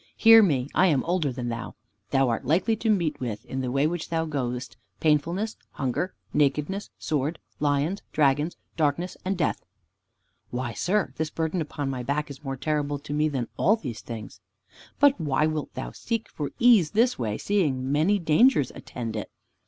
Hear me, I am older than thou. Thou art likely to meet with, in the way which thou goest, painfulness, hunger, nakedness, sword, lions, dragons, darkness, and death." "Why, sir, this burden upon my back is more terrible to me than all these things." "But why wilt thou seek for ease this way, seeing so many dangers attend it?